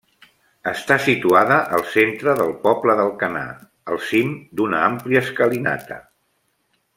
Està situada al centre del poble d'Alcanar, al cim d'una àmplia escalinata.